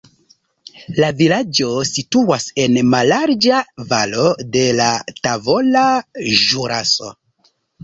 La vilaĝo situas en mallarĝa valo de la Tavola Ĵuraso.